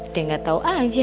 dia gak tau aja